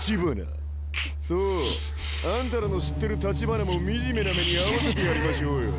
そうあんたらの知ってる橘も惨めな目に遭わせてやりましょうよ。